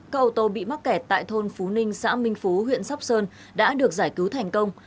các kẻ tại thôn phú ninh xã minh phú huyện sóc sơn đã được giải cứu thành công